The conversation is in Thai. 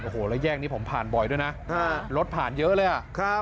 โอ้โหแล้วแยกนี้ผมผ่านบ่อยด้วยนะรถผ่านเยอะเลยอ่ะครับ